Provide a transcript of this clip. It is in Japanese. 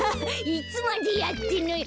いつまでやってんのよ。